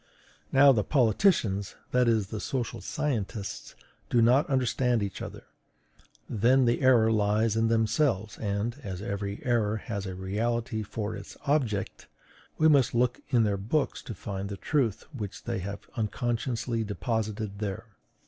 Now, the politicians, that is, the social scientists, do not understand each other; then the error lies in themselves; and, as every error has a reality for its object, we must look in their books to find the truth which they have unconsciously deposited there."